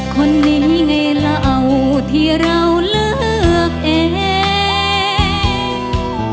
คนนี้ไงเราที่เราเลือกเอง